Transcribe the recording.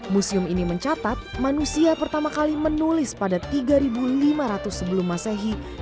museum ini mencatat manusia pertama kali menulis pada tiga lima ratus sebelum masehi